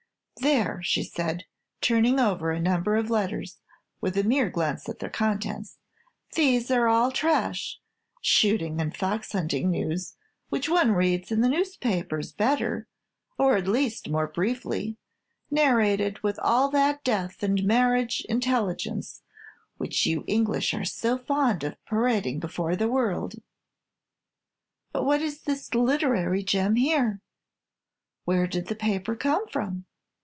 "There," said she, turning over a number of letters with a mere glance at their contents, "these are all trash, shooting and fox hunting news, which one reads in the newspapers better, or at least more briefly, narrated, with all that death and marriage intelligence which you English are so fond of parading before the world. But what is this literary gem here? Where did the paper come from?